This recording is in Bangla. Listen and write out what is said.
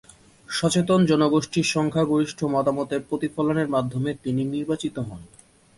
সচেতন জনগোষ্ঠীর সংখ্যাগরিষ্ঠ মতামতের প্রতিফলনের মাধ্যমে তিনি নির্বাচিত হন।